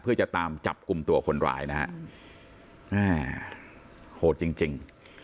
เพื่อจะตามจับกลุ่มตัวคนร้ายนะฮะแม่โหดจริงจริง